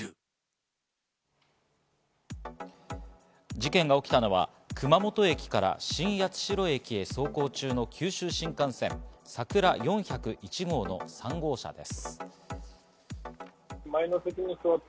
事件が起きたのは熊本駅から新八代駅へ走行中の九州新幹線・さくら４０１号の３号車です。